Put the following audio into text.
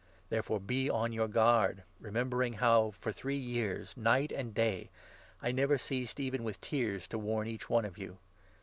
Therefore, be on your guard, re 31 membering how for three years, night and day, I never ceased, even with tears, to warn each one of you.